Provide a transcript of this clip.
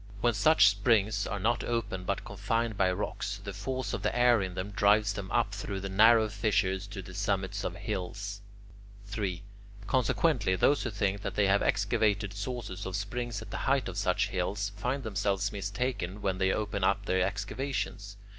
When such springs are not open but confined by rocks, the force of the air in them drives them up through the narrow fissures to the summits of hills. 3. Consequently those who think that they have excavated sources of springs at the height of such hills find themselves mistaken when they open up their excavations.